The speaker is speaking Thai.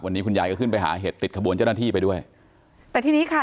วันนี้คุณยายก็ขึ้นไปหาเห็ดติดขบวนเจ้าหน้าที่ไปด้วยแต่ทีนี้ค่ะ